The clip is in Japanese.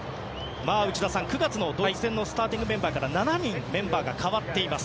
内田さん、９月のドイツ戦のスターティングメンバーから７人メンバーが変わっています。